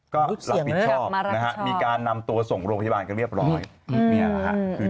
รับผิดชอบมีการนำตัวส่งโรพยาบาลก็เรียบร้อย